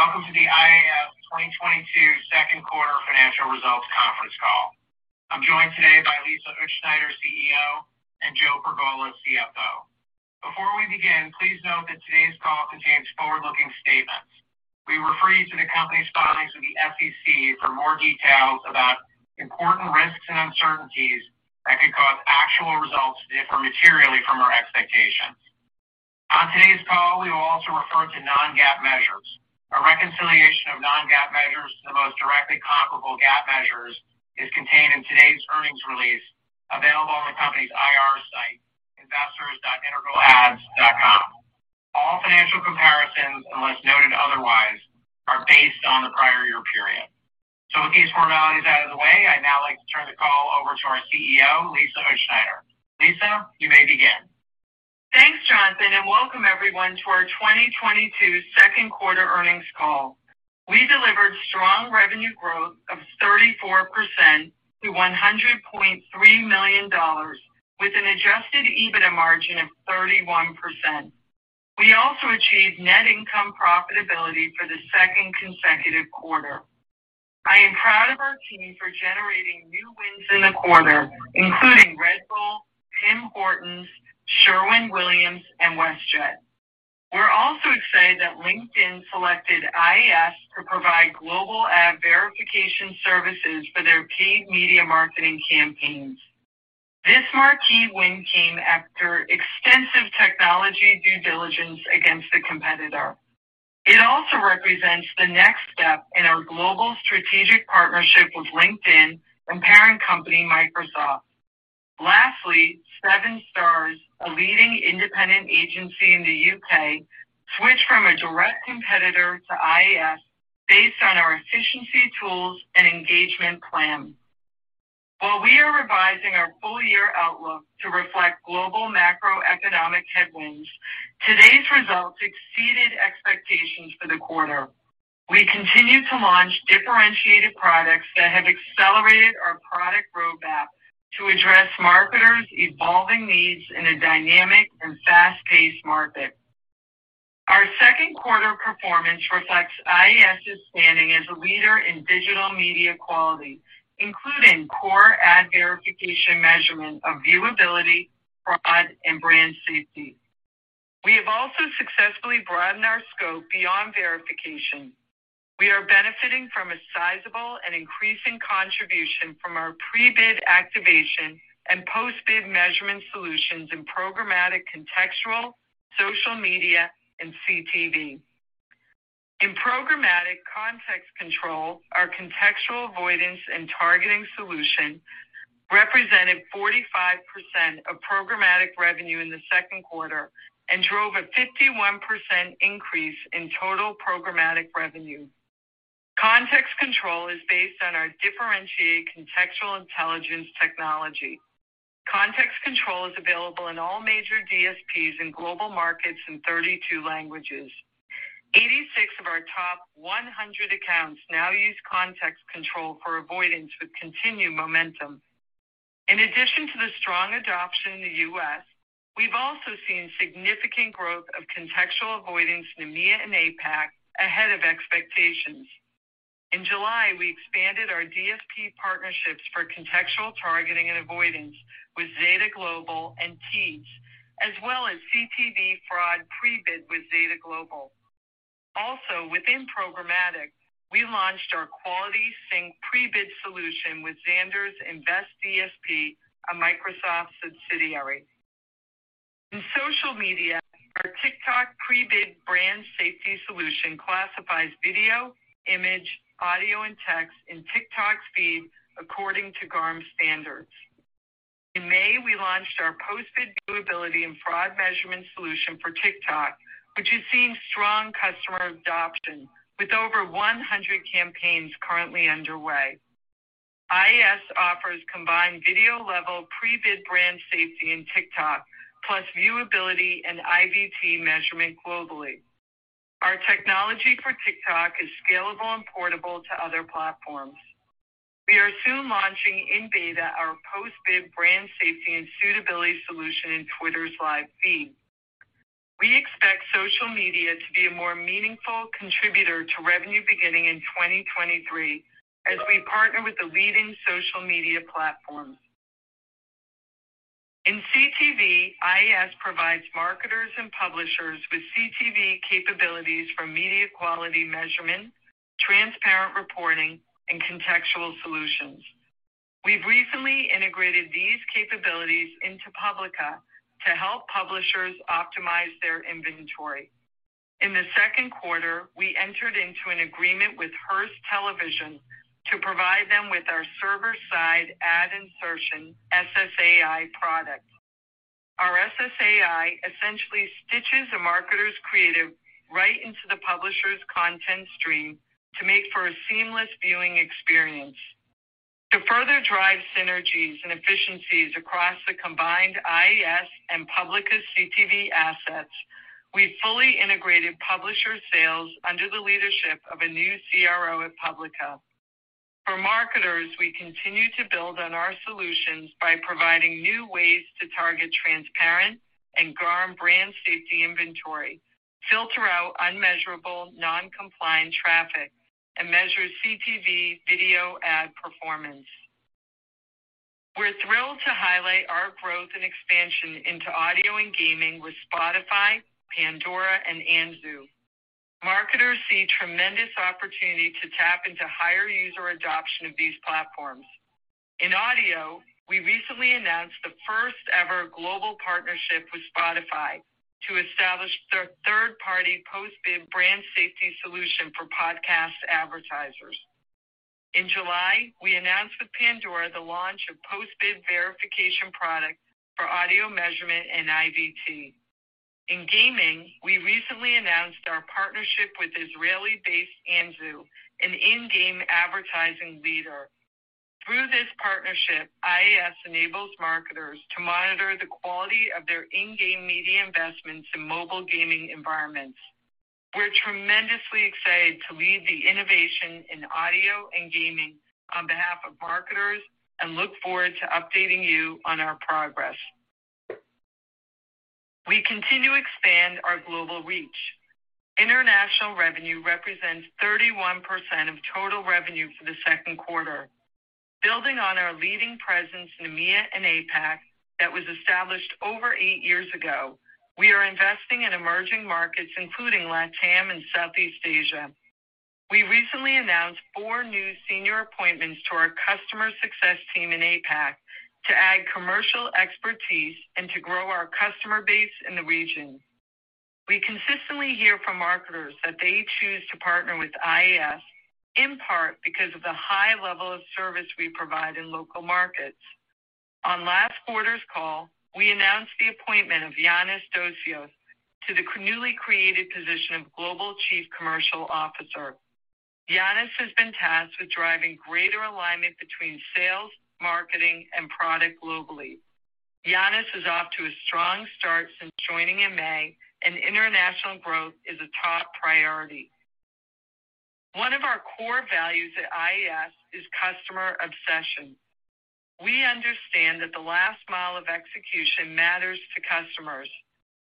Thank you. Good afternoon, and welcome to the IAS 2022 Second Quarter Financial Results Conference Call. I'm joined today by Lisa Utzschneider, CEO, and Joe Pergola, CFO. Before we begin, please note that today's call contains forward-looking statements. We refer you to the company's filings with the SEC for more details about important risks and uncertainties that could cause actual results to differ materially from our expectations. On today's call, we will also refer to non-GAAP measures. A reconciliation of non-GAAP measures to the most directly comparable GAAP measures is contained in today's earnings release available on the company's IR site, investors.integralads.com. All financial comparisons, unless noted otherwise, are based on the prior year period. With these formalities out of the way, I'd now like to turn the call over to our CEO, Lisa Utzschneider. Lisa, you may begin. Thanks, Jonathan, and welcome everyone to our 2022 Second Quarter Earnings Call. We delivered strong revenue growth of 34% to $103 million with an adjusted EBITDA margin of 31%. We also achieved net income profitability for the second consecutive quarter. I am proud of our team for generating new wins in the quarter, including Red Bull, Tim Hortons, Sherwin-Williams and WestJet. We're also excited that LinkedIn selected IAS to provide global ad verification services for their paid media marketing campaigns. This marquee win came after extensive technology due diligence against the competitor. It also represents the next step in our global strategic partnership with LinkedIn and parent company Microsoft. Lastly, the7stars, a leading independent agency in the UK, switched from a direct competitor to IAS based on our efficiency tools and engagement plan. While we are revising our full year outlook to reflect global macroeconomic headwinds, today's results exceeded expectations for the quarter. We continue to launch differentiated products that have accelerated our product roadmap to address marketers' evolving needs in a dynamic and fast-paced market. Our second quarter performance reflects IAS standing as a leader in digital media quality, including core ad verification, measurement of viewability, fraud, and brand safety. We have also successfully broadened our scope beyond verification. We are benefiting from a sizable and increasing contribution from our pre-bid activation and post-bid measurement solutions in programmatic, contextual, social media and CTV. In programmatic Context Control, our contextual avoidance and targeting solution represented 45% of programmatic revenue in the second quarter and drove a 51% increase in total programmatic revenue. Context Control is based on our differentiated contextual intelligence technology. Context Control is available in all major DSPs in global markets in 32 languages. 86 of our top 100 accounts now use Context Control for avoidance with continued momentum. In addition to the strong adoption in the US, we've also seen significant growth of contextual avoidance in EMEA and APAC ahead of expectations. In July, we expanded our DSP partnerships for contextual targeting and avoidance with Zeta Global and Teads, as well as CTV fraud pre-bid with Zeta Global. Also, within programmatic, we launched our Quality Sync pre-bid solution with Xandr Invest DSP, a Microsoft subsidiary. In social media, our TikTok pre-bid brand safety solution classifies video, image, audio, and text in TikTok feed according to GARM standards. In May, we launched our post-bid viewability and fraud measurement solution for TikTok, which is seeing strong customer adoption with over 100 campaigns currently underway. IAS offers combined video-level pre-bid brand safety in TikTok, plus viewability and IVT measurement globally. Our technology for TikTok is scalable and portable to other platforms. We are soon launching in beta our post-bid brand safety and suitability solution in Twitter's live feed. We expect social media to be a more meaningful contributor to revenue beginning in 2023 as we partner with the leading social media platforms. In CTV, IAS provides marketers and publishers with CTV capabilities for media quality measurement, transparent reporting, and contextual solutions. We've recently integrated these capabilities into Publica to help publishers optimize their inventory. In the second quarter, we entered into an agreement with Hearst Television to provide them with our server-side ad insertion SSAI product. Our SSAI essentially stitches a marketer's creative right into the publisher's content stream to make for a seamless viewing experience. To further drive synergies and efficiencies across the combined IAS and Publica's CTV assets, we fully integrated publisher sales of a new CRO at Publica. For marketers, we continue to build on our solutions by providing new ways to target transparent and GARM brand safety inventory, filter out unmeasurable, non-compliant traffic, and measure CTV video ad performance. We're thrilled to highlight our growth and expansion into audio and gaming with Spotify, Pandora, and Anzu. Marketers see tremendous opportunity to tap into higher user adoption of these platforms. In audio, we recently announced the first-ever global partnership with Spotify to establish their third-party post-bid brand safety solution for podcast advertisers. In July, we announced with Pandora the launch of post-bid verification product for audio measurement and IVT. In gaming, we recently announced our partnership with Israeli-based Anzu, an in-game advertising leader. Through this partnership, IAS enables marketers to monitor the quality of their in-game media investments in mobile gaming environments. We're tremendously excited to lead the innovation in audio and gaming on behalf of marketers, and look forward to updating you on our progress. We continue to expand our global reach. International revenue represents 31% of total revenue for the second quarter. Building on our leading presence in EMEA and APAC that was established over eight years ago, we are investing in emerging markets, including LATAM and Southeast Asia. We recently announced four new senior appointments to our customer success team in APAC to add commercial expertise and to grow our customer base in the region. We consistently hear from marketers that they choose to partner with IAS, in part because of the high level of service we provide in local markets. On last quarter's call, we announced the appointment of Yannis Dosios to the newly created position of Global Chief Commercial Officer. Yannis has been tasked with driving greater alignment between sales, marketing, and product globally. Yannis is off to a strong start since joining in May, and international growth is a top priority. One of our core values at IAS is customer obsession. We understand that the last mile of execution matters to customers.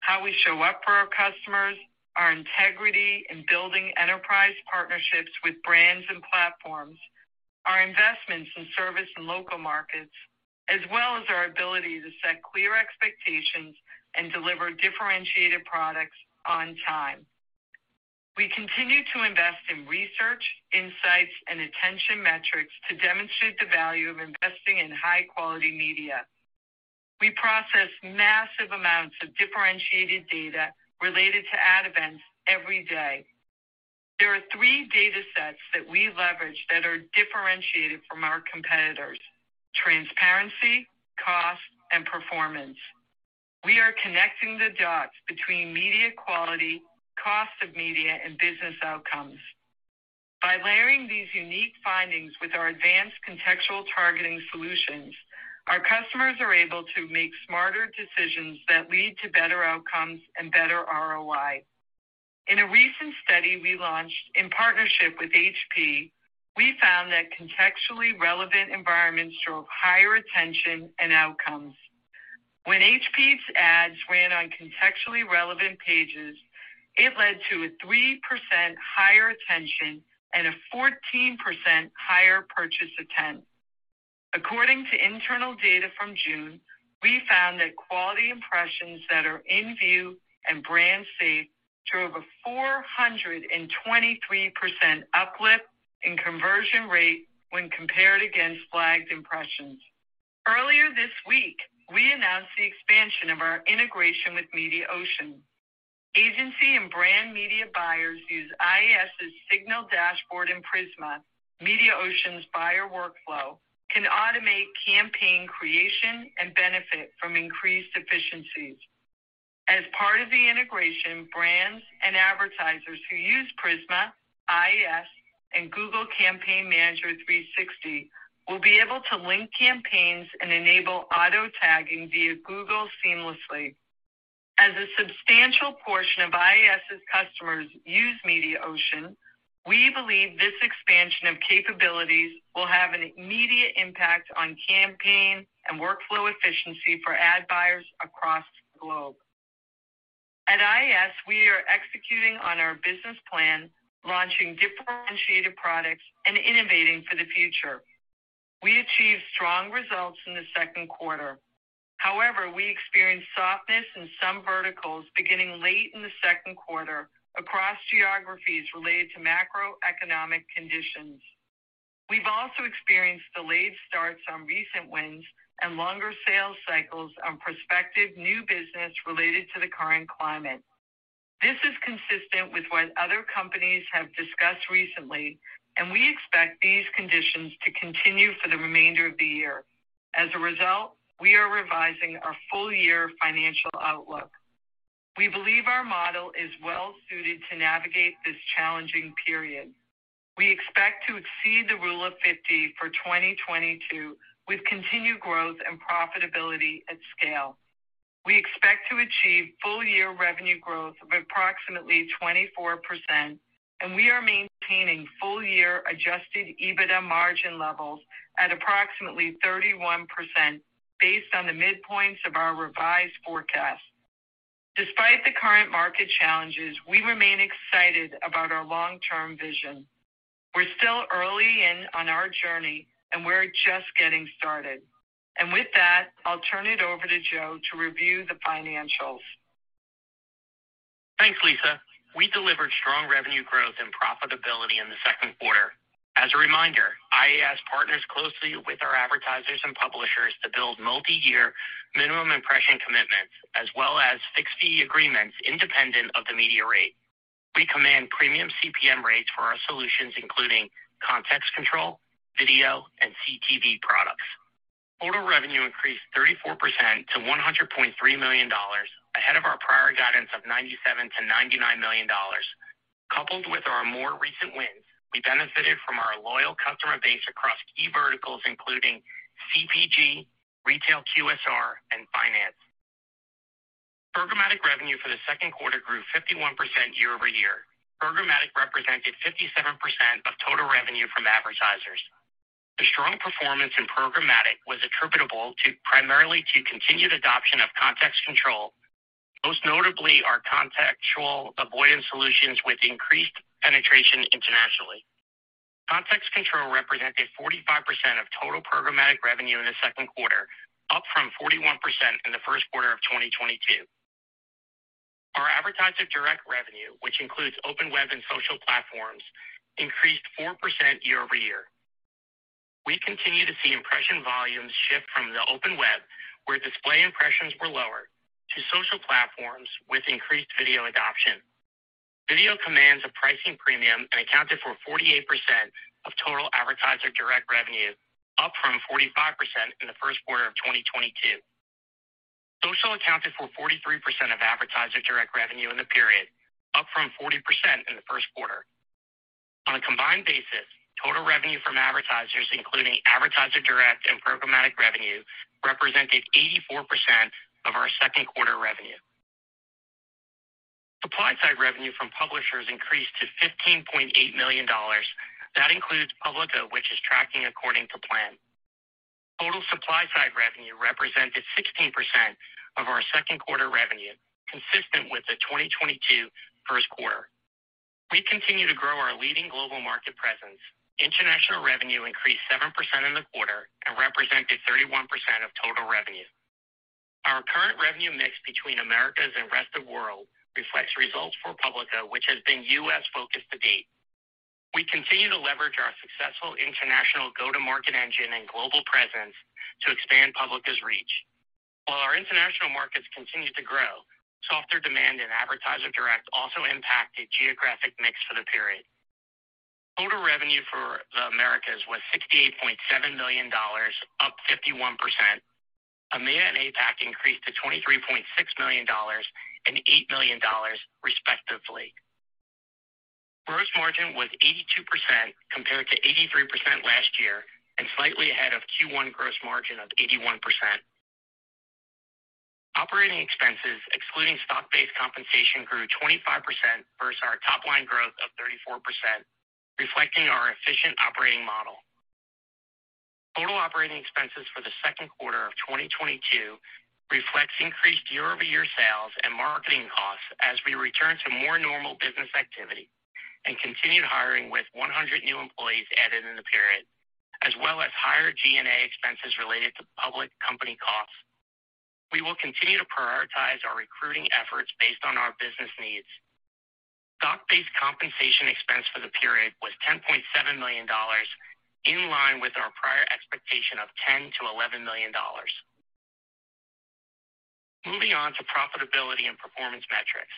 How we show up for our customers, our integrity in building enterprise partnerships with brands and platforms, our investments in service in local markets, as well as our ability to set clear expectations and deliver differentiated products on time. We continue to invest in research, insights, and attention metrics to demonstrate the value of investing in high-quality media. We process massive amounts of differentiated data related to ad events every day. There are three data sets that we leverage that are differentiated from our competitors, transparency, cost, and performance. We are connecting the dots between media quality, cost of media, and business outcomes. By layering these unique findings with our advanced contextual targeting solutions, our customers are able to make smarter decisions that lead to better outcomes and better ROI. In a recent study we launched in partnership with HP, we found that contextually relevant environments drove higher attention and outcomes. When HP's ads ran on contextually relevant pages, it led to a 3% higher attention and a 14% higher purchase intent. According to internal data from June, we found that quality impressions that are in view and brand safe drove a 423% uplift in conversion rate when compared against flagged impressions. Earlier this week, we announced the expansion of our integration with Mediaocean. Agency and brand media buyers use IAS Signal Dashboard and Prisma, Mediaocean's buyer workflow, can automate campaign creation and benefit from increased efficiencies. As part of the integration, brands and advertisers who use Prisma, IAS, and Google Campaign Manager 360 will be able to link campaigns and enable auto-tagging via Google seamlessly. As a substantial portion of IAS's customers use Mediaocean, we believe this expansion of capabilities will have an immediate impact on campaign and workflow efficiency for ad buyers across the globe. At IAS, we are executing on our business plan, launching differentiated products and innovating for the future. We achieved strong results in the second quarter. However, we experienced softness in some verticals beginning late in the second quarter across geographies related to macroeconomic conditions. We've also experienced delayed starts on recent wins and longer sales cycles on prospective new business related to the current climate. This is consistent with what other companies have discussed recently, and we expect these conditions to continue for the remainder of the year. As a result, we are revising our full-year financial outlook. We believe our model is well suited to navigate this challenging period. We expect to exceed the Rule of Fifty for 2022 with continued growth and profitability at scale. We expect to achieve full year revenue growth of approximately 24%, and we are maintaining full year adjusted EBITDA margin levels at approximately 31% based on the midpoints of our revised forecast. Despite the current market challenges, we remain excited about our long-term vision. We're still early in on our journey and we're just getting started. With that, I'll turn it over to Joe to review the financials. Thanks, Lisa. We delivered strong revenue growth and profitability in the second quarter. As a reminder, IAS partners closely with our advertisers and publishers to build multi-year minimum impression commitments as well as fixed-fee agreements independent of the media rate. We command premium CPM rates for our solutions, including Context Control, video, and CTV products. Total revenue increased 34% to $100.3 million ahead of our prior guidance of $97 million-$99 million. Coupled with our more recent wins, we benefited from our loyal customer base across key verticals including CPG, retail, QSR, and finance. Programmatic revenue for the second quarter grew 51% year-over-year. Programmatic represented 57% of total revenue from advertisers. The strong performance in programmatic was attributable to, primarily to continued adoption of Context Control, most notably our contextual avoidance solutions with increased penetration internationally. Context Control represented 45% of total programmatic revenue in the second quarter, up from 41% in the first quarter of 2022. Our advertiser direct revenue, which includes open web and social platforms, increased 4% year-over-year. We continue to see impression volumes shift from the open web, where display impressions were lower, to social platforms with increased video adoption. Video commands a pricing premium and accounted for 48% of total advertiser direct revenue, up from 45% in the first quarter of 2022. Social accounted for 43% of advertiser direct revenue in the period, up from 40% in the first quarter. On a combined basis, total revenue from advertisers, including advertiser direct and programmatic revenue, represented 84% of our second quarter revenue. Supply-side revenue from publishers increased to $15.8 million. That includes Publica, which is tracking according to plan. Total supply side revenue represented 16% of our second quarter revenue, consistent with the 2022 first quarter. We continue to grow our leading global market presence. International revenue increased 7% in the quarter and represented 31% of total revenue. Our current revenue mix between Americas and Rest of World reflects results for Publica, which has been U.S. focused to date. We continue to leverage our successful international go-to-market engine and global presence to expand Publica's reach. While our international markets continue to grow, softer demand in advertiser direct also impacted geographic mix for the period. Total revenue for the Americas was $68.7 million, up 51%. EMEA and APAC increased to $23.6 million and $8 million, respectively. Gross margin was 82% compared to 83% last year, and slightly ahead of Q1 gross margin of 81%. Operating expenses, excluding stock-based compensation, grew 25% versus our top line growth of 34%, reflecting our efficient operating model. Total operating expenses for the second quarter of 2022 reflects increased year-over-year sales and marketing costs as we return to more normal business activity and continued hiring with 100 new employees added in the period, as well as higher G&A expenses related to public company costs. We will continue to prioritize our recruiting efforts based on our business needs. Stock-based compensation expense for the period was $10.7 million, in line with our prior expectation of $10 million-$11 million. Moving on to profitability and performance metrics.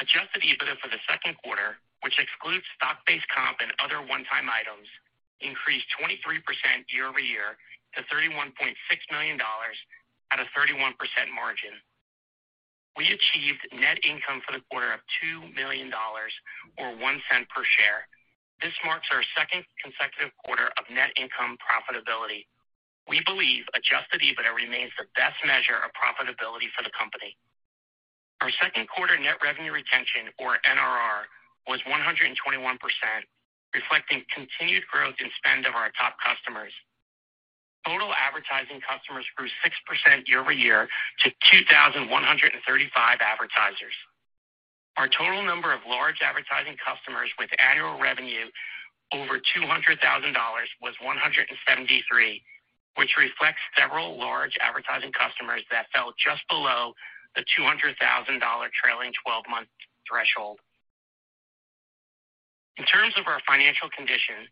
Adjusted EBITDA for the second quarter, which excludes stock-based comp and other one-time items, increased 23% year-over-year to $31.6 million at a 31% margin. We achieved net income for the quarter of $2 million or $0.01 per share. This marks our second consecutive quarter of net income profitability. We believe adjusted EBITDA remains the best measure of profitability for the company. Our second quarter net revenue retention, or NRR, was 121%, reflecting continued growth in spend of our top customers. Total advertising customers grew 6% year-over-year to 2,135 advertisers. Our total number of large advertising customers with annual revenue over $200,000 was 173%, which reflects several large advertising customers that fell just below the $200,000 trailing 12-month threshold. In terms of our financial condition,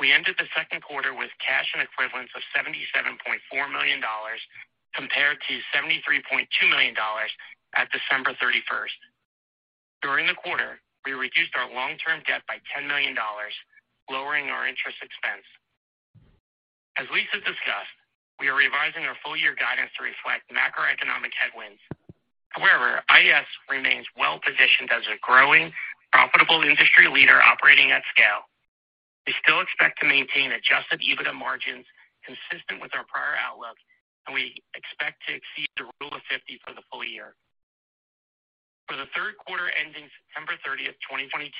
we ended the second quarter with cash and equivalents of $77.4 million compared to $73.2 million at December 31st. During the quarter, we reduced our long-term debt by $10 million, lowering our interest expense. As Lisa discussed, we are revising our full year guidance to reflect macroeconomic headwinds. We remain well positioned as a growing profitable industry leader operating at scale. We still expect to maintain adjusted EBITDA margins consistent with our prior outlook, and we expect to exceed the Rule of Fifty for the full year. For the third quarter ending September 30th, 2022,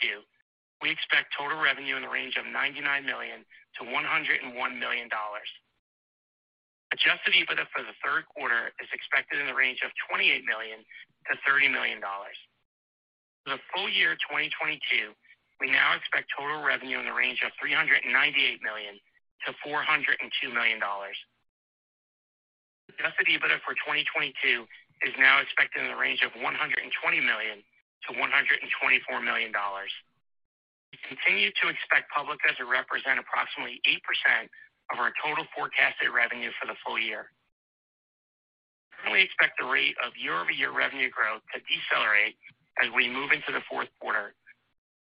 we expect total revenue in the range of $99 million-$101 million. Adjusted EBITDA for the third quarter is expected in the range of $28 million-$30 million. For the full year 2022, we now expect total revenue in the range of $398 million-$402 million. Adjusted EBITDA for 2022 is now expected in the range of $120 million-$124 million. We continue to expect Publica represents approximately 8% of our total forecasted revenue for the full year. We currently expect the rate of year-over-year revenue growth to decelerate as we move into the fourth quarter.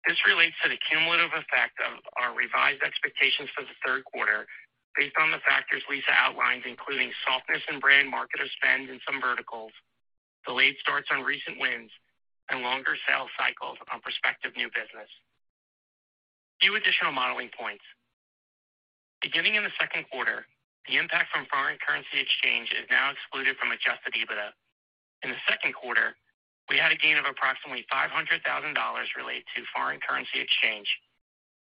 This relates to the cumulative effect of our revised expectations for the third quarter based on the factors Lisa outlined, including softness in brand marketer spend in some verticals, delayed starts on recent wins, and longer sales cycles on prospective new business. A few additional modeling points. Beginning in the second quarter, the impact from foreign currency exchange is now excluded from adjusted EBITDA. In the second quarter, we had a gain of approximately $500,000 related to foreign currency exchange.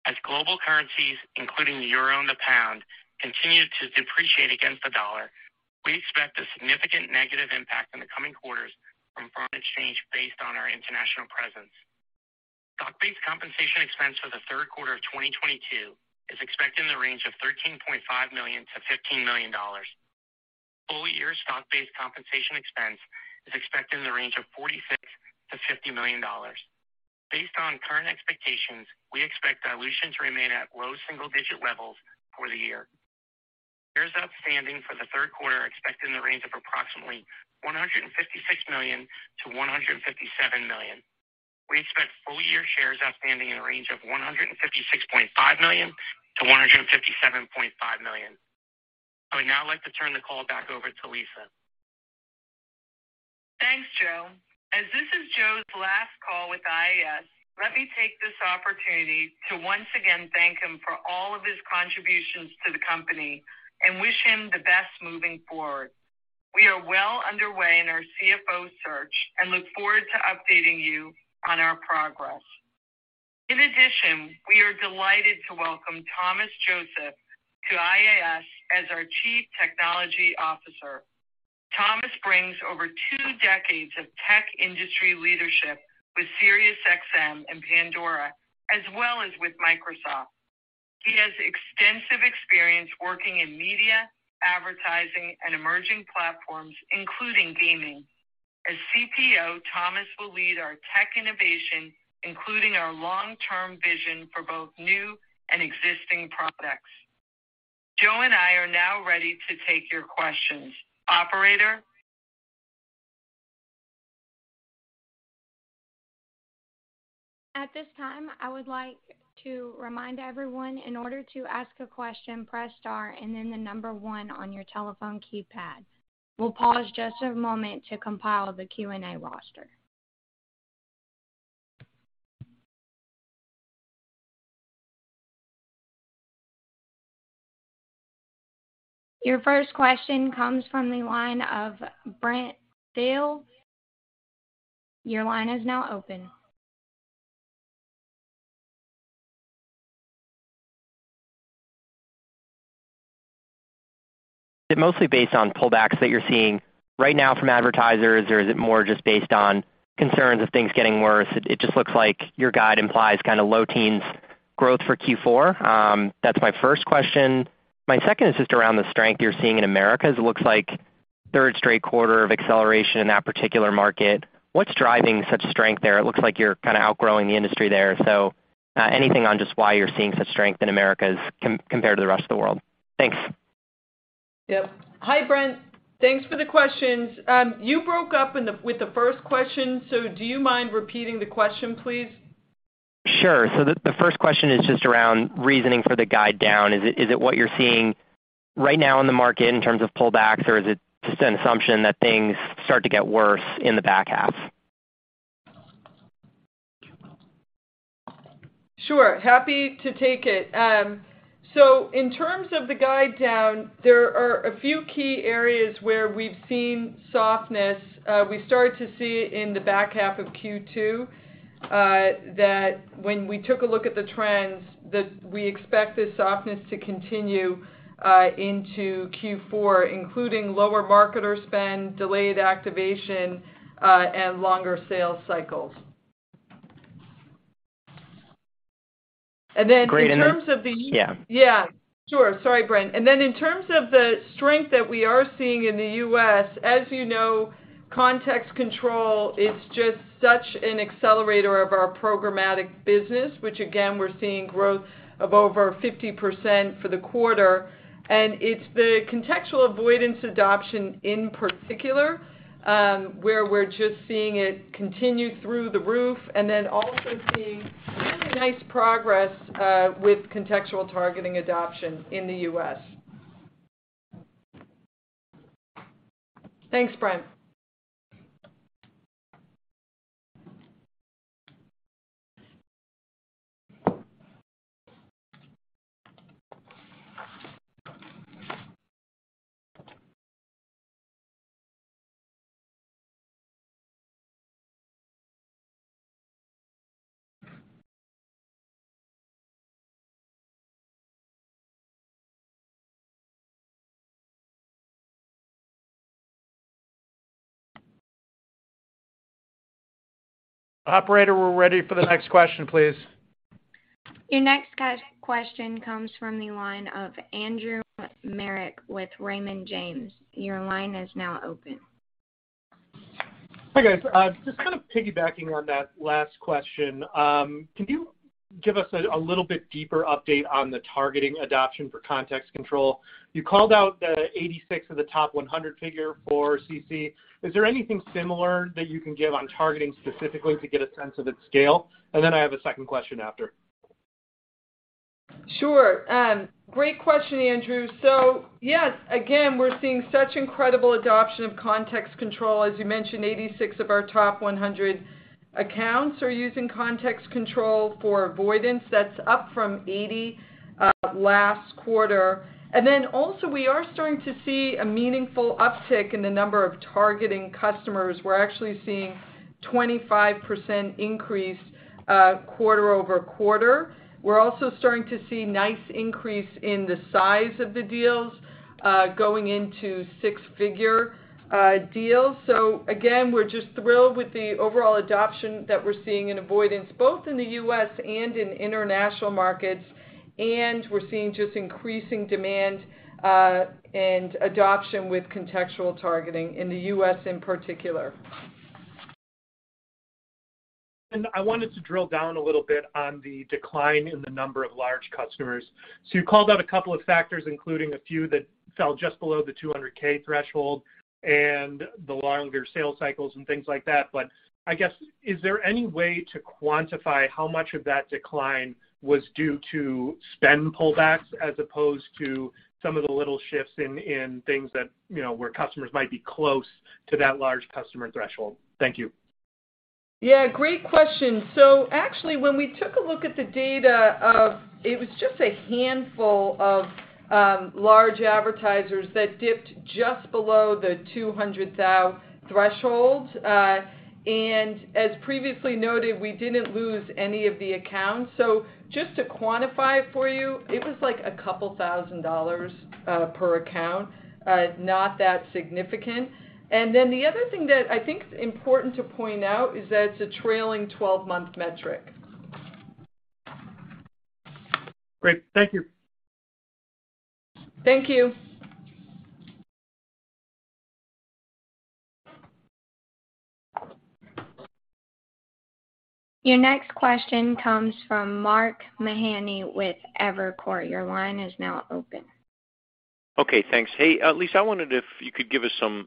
As global currencies, including the euro and the pound, continue to depreciate against the dollar, we expect a significant negative impact in the coming quarters from foreign exchange based on our international presence. Stock-based compensation expense for the third quarter of 2022 is expected in the range of $13.5 million-$15 million. Full year stock-based compensation expense is expected in the range of $46 million-$50 million. Based on current expectations, we expect dilution to remain at low single-digit levels for the year. Shares outstanding for the third quarter are expected in the range of approximately 156 million-157 million. We expect full year shares outstanding in the range of 156.5 million-157.5 million. I would now like to turn the call back over to Lisa. Thanks, Joe. As this is Joe's last call with IAS, let me take this opportunity to once again thank him for all of his contributions to the company and wish him the best moving forward. We are well underway in our CFO search and look forward to updating you on our progress. In addition, we are delighted to welcome Thomas Joseph to IAS as our Chief Technology Officer. Thomas brings over two decades of tech industry leadership with Sirius XM and Pandora, as well as with Microsoft. He has extensive experience working in media, advertising, and emerging platforms, including gaming. As CTO, Thomas will lead our tech innovation, including our long-term vision for both new and existing products. Joe and I are now ready to take your questions. Operator? At this time, I would like to remind everyone in order to ask a question, press star and then the number one on your telephone keypad. We'll pause just a moment to compile the Q&A roster. Your first question comes from the line of Brent Thill. Your line is now open. Is it mostly based on pullbacks that you're seeing right now from advertisers, or is it more just based on concerns of things getting worse? It just looks like your guide implies kind of low teens growth for Q4. That's my first question. My second is just around the strength you're seeing in Americas. It looks like third straight quarter of acceleration in that particular market. What's driving such strength there? It looks like you're kind of outgrowing the industry there. Anything on just why you're seeing such strength in Americas compared to the rest of the world? Thanks. Yep. Hi, Brent. Thanks for the questions. You broke up with the first question. Do you mind repeating the question, please? Sure. The first question is just around reasoning for the guidance down. Is it what you're seeing right now in the market in terms of pullbacks, or is it just an assumption that things start to get worse in the back half? Sure. Happy to take it. So in terms of the guidance down, there are a few key areas where we've seen softness. We started to see it in the back half of Q2. When we took a look at the trends, we expect this softness to continue into Q4, including lower marketer spend, delayed activation, and longer sales cycles. In terms of the Great. Yeah. Yeah. Sure. Sorry, Brent. Then in terms of the strength that we are seeing in the U.S., as you know, Context Control is just such an accelerator of our programmatic business which again, we're seeing growth of over 50% for the quarter. It's the contextual avoidance adoption in particular, where we're just seeing it continue through the roof, and then also seeing really nice progress with contextual targeting adoption in the U.S.. Thanks, Brent. Operator, we're ready for the next question, please. Your next question comes from the line of Andrew Marok with Raymond James. Your line is now open. Hi, guys. Just kind of piggybacking on that last question. Can you give us a little bit deeper update on the targeting adoption for Context Control? You called out the 86 of the top 100 figure for CC. Is there anything similar that you can give on targeting specifically to get a sense of its scale? Then I have a second question after. Sure. Great question, Andrew. Yes, again, we're seeing such incredible adoption of Context Control. As you mentioned, 86 of our top 100 accounts are using Context Control for avoidance. That's up from 80 last quarter. Then also we are starting to see a meaningful uptick in the number of targeting customers. We're actually seeing 25% increase quarter-over-quarter. We're also starting to see nice increase in the size of the deals going into six-figure deals. Again, we're just thrilled with the overall adoption that we're seeing in avoidance, both in the U.S. and in international markets. We're seeing just increasing demand and adoption with contextual targeting in the U.S. in particular. I wanted to drill down a little bit on the decline in the number of large customers. You called out a couple of factors, including a few that fell just below the $200,000 threshold and the longer sales cycles and things like that. I guess, is there any way to quantify how much of that decline was due to spend pullbacks as opposed to some of the little shifts in things that, you know, where customers might be close to that large customer threshold? Thank you. Yeah, great question. Actually, when we took a look at the data, it was just a handful of large advertisers that dipped just below the $200,000 thresholds. As previously noted, we didn't lose any of the accounts. Just to quantify it for you, it was like a couple of thousand dollars per account, not that significant. Then the other thing that I think is important to point out is that it's a trailing 12-month metric. Great. Thank you. Thank you. Your next question comes from Mark Mahaney with Evercore. Your line is now open. Okay, thanks. Hey, Lisa, I wondered if you could give us some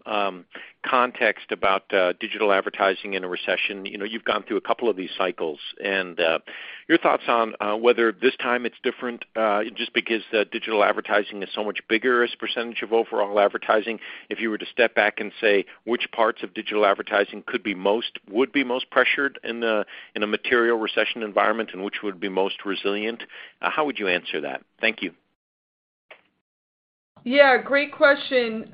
context about digital advertising in a recession. You know, you've gone through a couple of these cycles, and your thoughts on whether this time it's different, just because the digital advertising is so much bigger as percentage of overall advertising. If you were to step back and say which parts of digital advertising could be most pressured in a material recession environment, and which would be most resilient, how would you answer that? Thank you. Yeah, great question,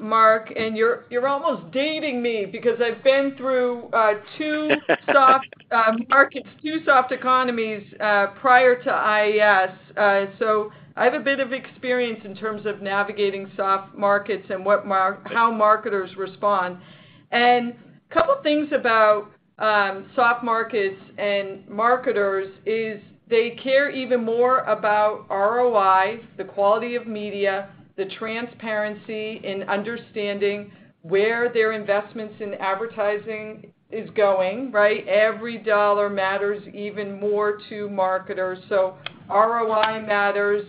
Mark, and you're almost dating me because I've been through two soft markets, two soft economies prior to IAS. So I have a bit of experience in terms of navigating soft markets and how marketers respond. Couple things about soft markets and marketers is they care even more about ROI, the quality of media, the transparency in understanding where their investments in advertising is going, right? Every dollar matters even more to marketers. ROI matters,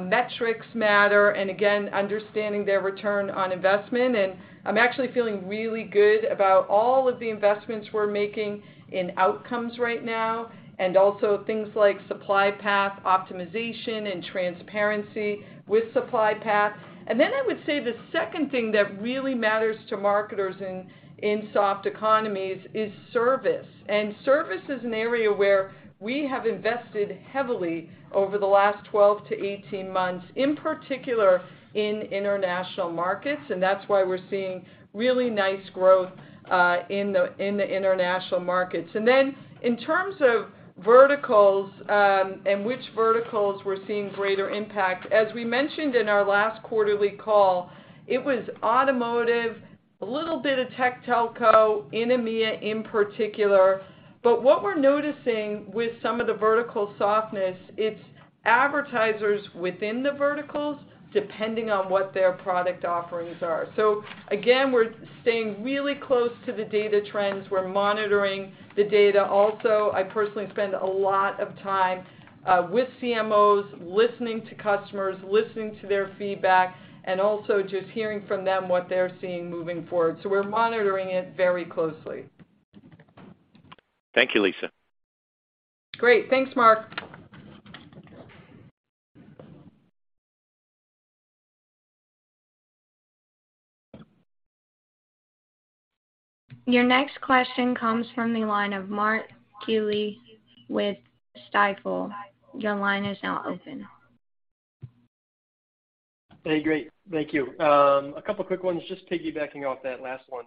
metrics matter, and again, understanding their return on investment. I'm actually feeling really good about all of the investments we're making in outcomes right now, and also things like Supply Path Optimization and transparency with Supply Path. Then I would say the second thing that really matters to marketers in soft economies is service. Service is an area where we have invested heavily over the last 12-18 months, in particular in international markets, and that's why we're seeing really nice growth in the international markets. Then in terms of verticals, and which verticals we're seeing greater impact, as we mentioned in our last quarterly call, it was automotive, a little bit of tech telco in EMEA in particular. What we're noticing with some of the vertical softness, it's advertisers within the verticals, depending on what their product offerings are. Again, we're staying really close to the data trends. We're monitoring the data. Also, I personally spend a lot of time with CMOs, listening to customers, listening to their feedback, and also just hearing from them what they're seeing moving forward. We're monitoring it very closely. Thank you, Lisa. Great. Thanks, Mark. Your next question comes from the line of Mark Kelley with Stifel. Your line is now open. Hey, great. Thank you. A couple quick ones, just piggybacking off that last one.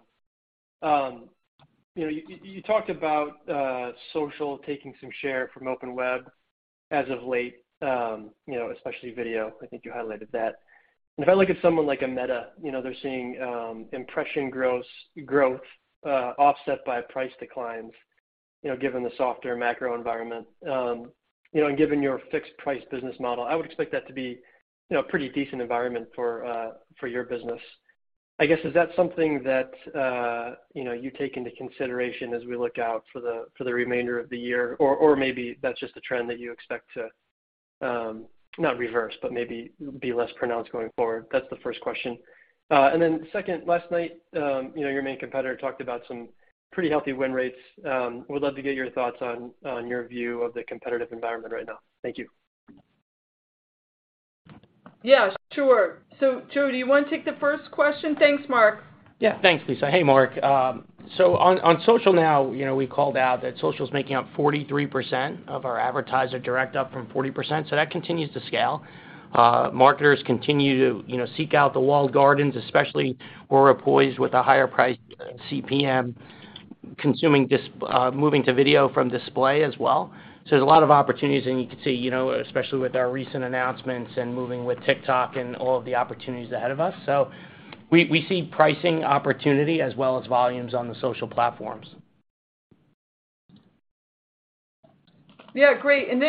You know, you talked about social taking some share from open web as of late, you know, especially video. I think you highlighted that. If I look at someone like a Meta, you know, they're seeing impression growth offset by price declines, you know, given the softer macro environment. You know, given your fixed price business model, I would expect that to be you know, pretty decent environment for your business. I guess, is that something that you know, you take into consideration as we look out for the remainder of the year? Maybe that's just a trend that you expect to not reverse, but maybe be less pronounced going forward. That's the first question. Second, last night, you know, your main competitor talked about some pretty healthy win rates. Would love to get your thoughts on your view of the competitive environment right now? Thank you. Yeah, sure. Joe, do you wanna take the first question? Thanks, Mark. Yeah. Thanks, Lisa. Hey, Mark. On social now, you know, we called out that social is making up 43% of our advertiser direct up from 40%, so that continues to scale. Marketers continue to, you know, seek out the walled gardens, especially where we're poised with a higher price CPM moving to video from display as well. There's a lot of opportunities, and you can see, you know, especially with our recent announcements and moving with TikTok and all of the opportunities ahead of us. We see pricing opportunity as well as volumes on the social platforms. Yeah, great. Then,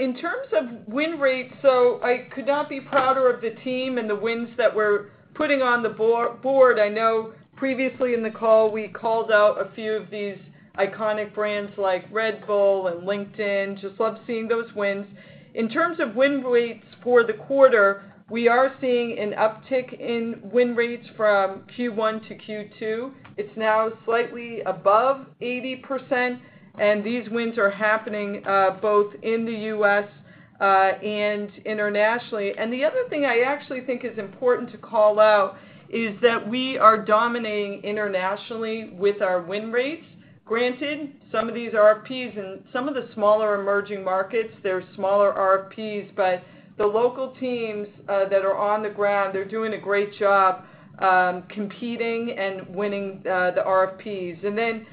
in terms of win rates, so I could not be prouder of the team and the wins that we're putting on the board. I know previously in the call, we called out a few of these iconic brands like Red Bull and LinkedIn. Just love seeing those wins. In terms of win rates for the quarter, we are seeing an uptick in win rates from Q1 to Q2. It's now slightly above 80%, and these wins are happening both in the U.S. and internationally. The other thing I actually think is important to call out is that we are dominating internationally with our win rates. Granted, some of these RFPs and some of the smaller emerging markets, they're smaller RFPs, but the local teams that are on the ground, they're doing a great job competing and winning the RFPs. Then,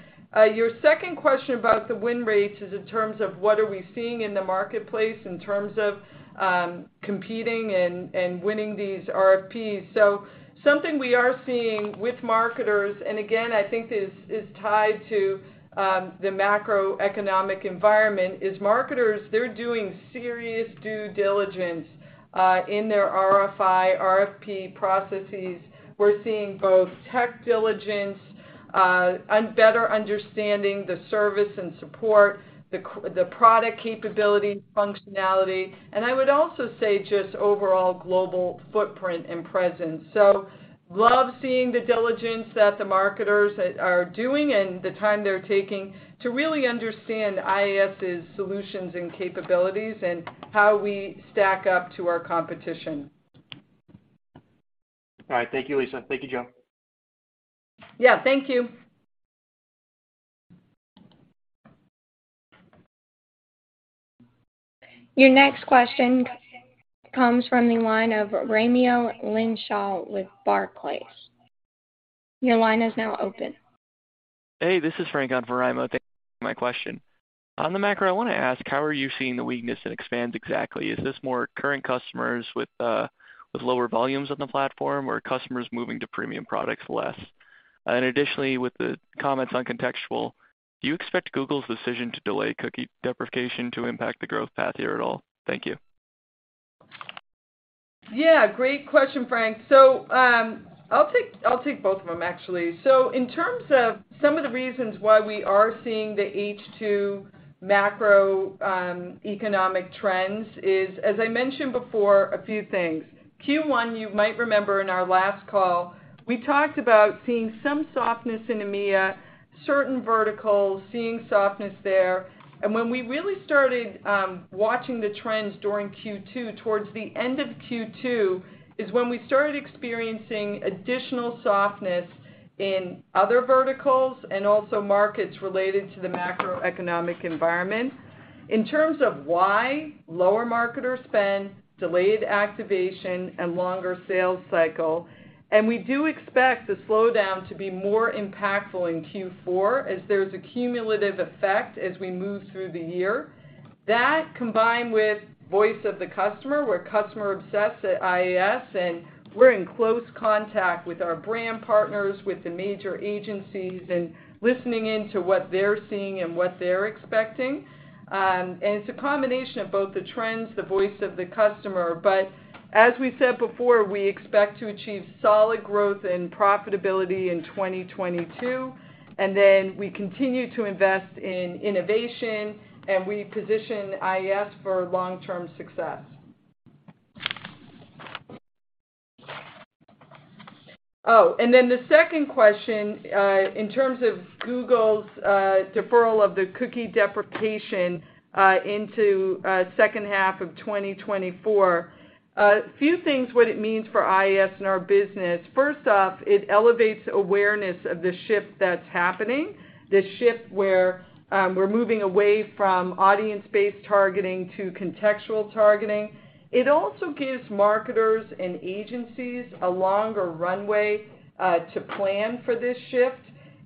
your second question about the win rates is in terms of what are we seeing in the marketplace in terms of competing and winning these RFPs. Something we are seeing with marketers, and again, I think this is tied to the macroeconomic environment, is marketers, they're doing serious due diligence in their RFI, RFP processes. We're seeing both tech diligence and better understanding the service and support, the product capability, functionality, and I would also say just overall global footprint and presence. Love seeing the diligence that the marketers are doing and the time they're taking to really understand IAS' solutions and capabilities and how we stack up to our competition. All right. Thank you, Lisa. Thank you, Joe. Yeah, thank you. Your next question comes from the line of Raimo Lenschow with Barclays. Your line is now open. Hey, this is Frank on for Raimo. Thank you for my question. On the macro, I wanna ask, how are you seeing the weakness in ad spend exactly? Is this more current customers with lower volumes on the platform or customers moving to premium products less? Additionally, with the comments on contextual, do you expect Google's decision to delay cookie deprecation to impact the growth path here at all? Thank you. Yeah, great question, Frank. I'll take both of them, actually. In terms of some of the reasons why we are seeing the H2 macro economic trends is, as I mentioned before, a few things. Q1, you might remember in our last call, we talked about seeing some softness in EMEA, certain verticals, seeing softness there. When we really started watching the trends during Q2, towards the end of Q2 is when we started experiencing additional softness in other verticals and also markets related to the macroeconomic environment. In terms of why, lower marketer spend, delayed activation, and longer sales cycle. We do expect the slowdown to be more impactful in Q4 as there's a cumulative effect as we move through the year. That combined with voice of the customer. We're customer obsessed at IAS, and we're in close contact with our brand partners, with the major agencies, and listening in to what they're seeing and what they're expecting. It's a combination of both the trends, the voice of the customer. As we said before, we expect to achieve solid growth and profitability in 2022, and then we continue to invest in innovation, and we position IAS for long-term success. Oh, the second question, in terms of Google's deferral of the cookie deprecation, into second half of 2024. A few things, what it means for IAS and our business. First up, it elevates awareness of the shift that's happening, the shift where we're moving away from audience-based targeting to contextual targeting. It also gives marketers and agencies a longer runway to plan for this shift.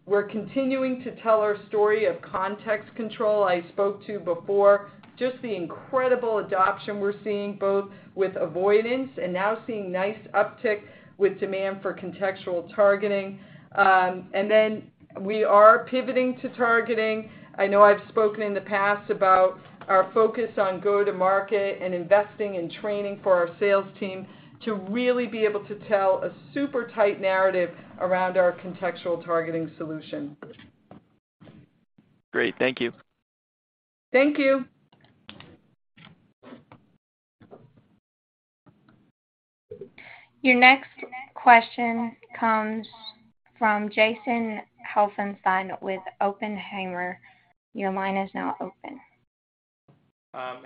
We're continuing to tell our story of Context Control I spoke to before, just the incredible adoption we're seeing both with avoidance and now seeing nice uptick with demand for contextual targeting. We are pivoting to targeting. I know I've spoken in the past about our focus on go-to-market and investing in training for our sales team to really be able to tell a super tight narrative around our contextual targeting solution. Great. Thank you. Thank you. Your next question comes from Jason Helfstein with Oppenheimer. Your line is now open.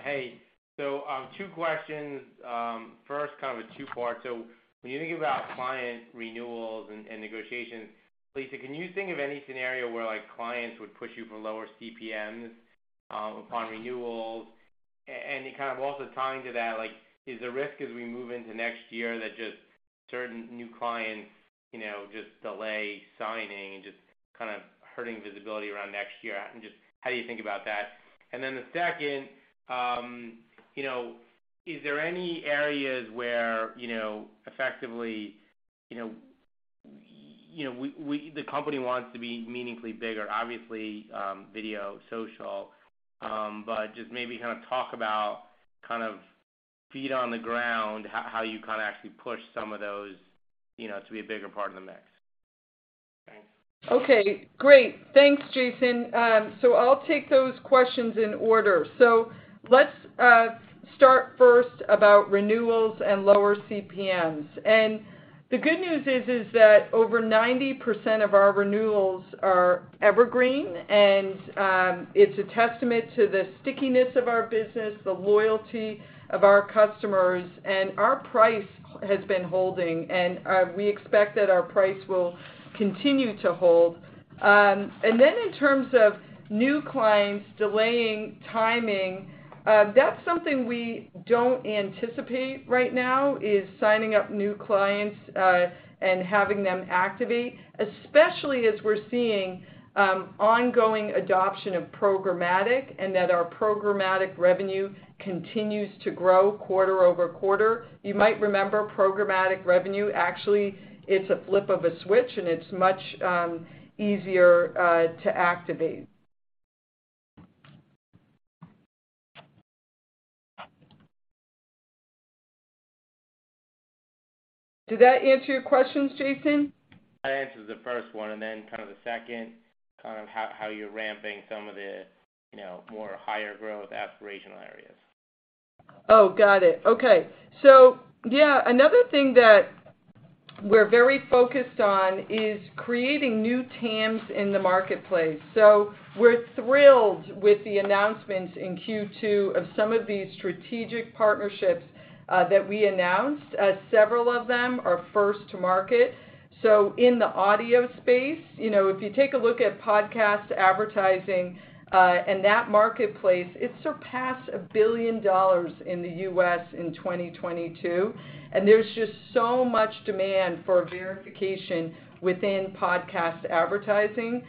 Hey. Two questions. First, kind of a two-part. When you think about client renewals and negotiations, Lisa, can you think of any scenario where like clients would push you for lower CPMs upon renewals? Kind of also tying to that, like, is the risk as we move into next year that just certain new clients, you know, just delay signing and just kind of hurting visibility around next year? Just how do you think about that? Then the second, you know, is there any areas where, you know, effectively, you know, the company wants to be meaningfully bigger, obviously, video, social, but just maybe kind of talk about kind of feet on the ground, how you kind of actually push some of those, you know, to be a bigger part of the mix. Okay, great. Thanks, Jason. I'll take those questions in order. Let's start first about renewals and lower CPMs. The good news is that over 90% of our renewals are evergreen, and it's a testament to the stickiness of our business, the loyalty of our customers, and our price has been holding, and we expect that our price will continue to hold. In terms of new clients delaying timing, that's something we don't anticipate right now is signing up new clients, and having them activate, especially as we're seeing ongoing adoption of programmatic and that our programmatic revenue continues to grow quarter-over-quarter. You might remember programmatic revenue, actually, it's a flip of a switch, and it's much easier to activate. Did that answer your questions, Jason? That answers the first one, and then kind of the second, kind of how you're ramping some of the, you know, more higher growth aspirational areas. Oh, got it. Okay. Yeah, another thing that we're very focused on is creating new TAMs in the marketplace. We're thrilled with the announcements in Q2 of some of these strategic partnerships that we announced, as several of them are first to market. In the audio space, you know, if you take a look at podcast advertising and that marketplace, it surpassed $1 billion in the U.S. in 2022. There's just so much demand for verification within podcast advertising.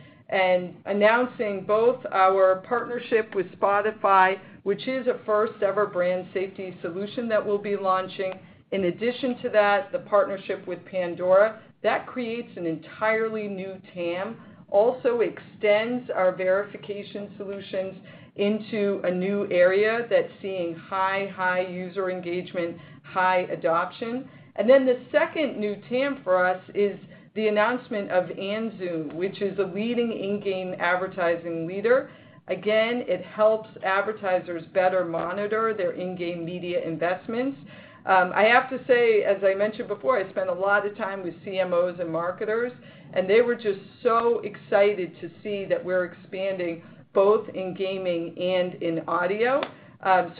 Announcing both our partnership with Spotify, which is a first-ever brand safety solution that we'll be launching, in addition to that, the partnership with Pandora, that creates an entirely new TAM, also extends our verification solutions into a new area that's seeing high user engagement, high adoption. The second new TAM for us is the announcement of Anzu, which is a leading in-game advertising leader. Again, it helps advertisers better monitor their in-game media investments. I have to say, as I mentioned before, I spent a lot of time with CMOs and marketers, and they were just so excited to see that we're expanding both in gaming and in audio.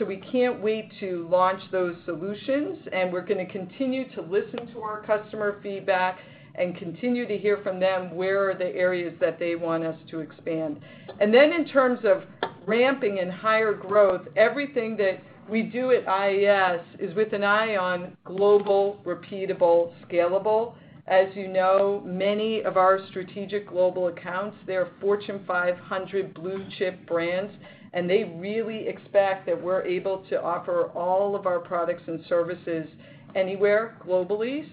We can't wait to launch those solutions, and we're gonna continue to listen to our customer feedback and continue to hear from them where are the areas that they want us to expand. In terms of ramping and higher growth, everything that we do at IAS is with an eye on global, repeatable, scalable. As you know, many of our strategic global accounts, they're Fortune 500 blue-chip brands, and they really expect that we're able to offer all of our products and services anywhere globally.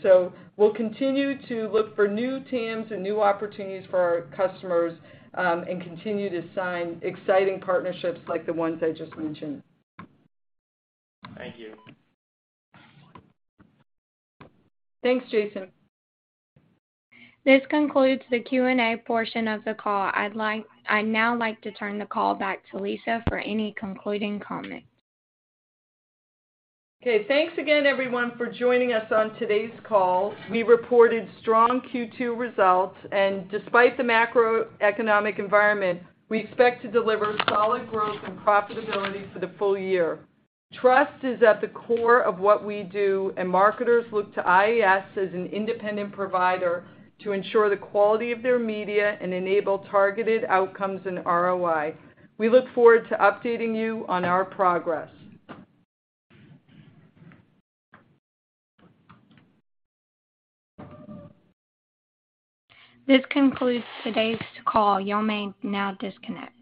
We'll continue to look for new teams and new opportunities for our customers, and continue to sign exciting partnerships like the ones I just mentioned. Thank you. Thanks, Jason. This concludes the Q&A portion of the call. I'd now like to turn the call back to Lisa for any concluding comments. Okay, thanks again, everyone, for joining us on today's call. We reported strong Q2 results, and despite the macroeconomic environment, we expect to deliver solid growth and profitability for the full year. Trust is at the core of what we do, and marketers look to IAS as an independent provider to ensure the quality of their media and enable targeted outcomes and ROI. We look forward to updating you on our progress. This concludes today's call. You may now disconnect.